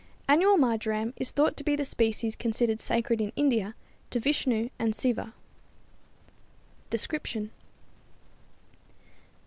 Annual marjoram is thought to be the species considered sacred in India to Vishnu and Siva. _Description.